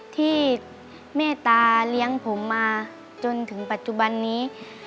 ที่แม่ตาเลี้ยงผมมาจนถึงปัจจุบันนี้